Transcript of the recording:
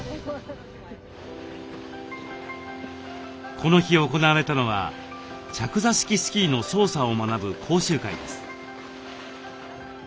この日行われたのは着座式スキーの操作を学ぶ講習会です。